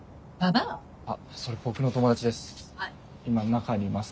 あそれ僕の友達です。